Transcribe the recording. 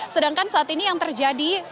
sedangkan saat ini yang terjadi